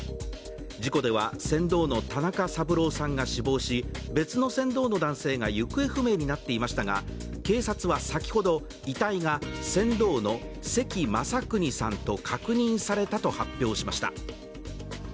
事故では船頭の田中三郎さんが死亡し別の船頭の男性が行方不明になっていましたが、警察は、先ほど遺体が船頭の関雅有さんと確認されたと発表しました。